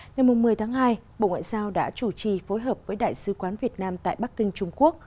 ngày một mươi tháng hai bộ ngoại giao đã chủ trì phối hợp với đại sứ quán việt nam tại bắc kinh trung quốc